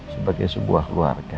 sebagai sebuah keluarga